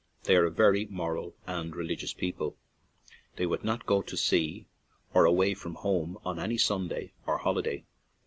They are a very moral and religious people; they would not go to sea or away from home on any Sunday or holiday.